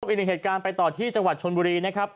อีกหนึ่งเหตุการณ์ไปต่อที่จังหวัดชนบุรีนะครับ